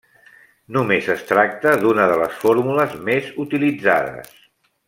Només es tracta d'una de les fórmules més utilitzades.